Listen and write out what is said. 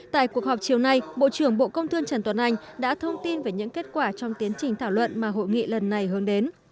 tại cuộc họp chiều nay bộ trưởng bộ công thương trần tuấn anh đã thông tin về những kết quả trong tiến trình thảo luận mà hội nghị lần này hướng đến